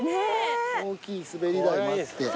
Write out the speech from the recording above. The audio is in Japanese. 大きい滑り台もあって。